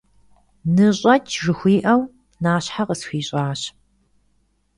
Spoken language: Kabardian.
«Ныщӏэкӏ!» - жыхуиӏэу, нащхьэ къысхуищӏащ.